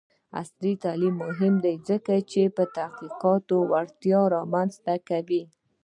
عصري تعلیم مهم دی ځکه چې تحقیقي وړتیا رامنځته کوي.